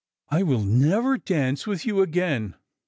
" I will never dance with you again."